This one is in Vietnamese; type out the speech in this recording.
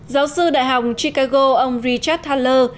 giáo sư đại học chicago ông richard thaler